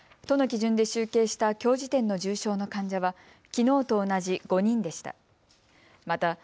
都の基準で集計したきょう時点の重症の患者はきのうと同じ５人でした。